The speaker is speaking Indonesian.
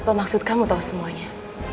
apa maksud kamu tahu semuanya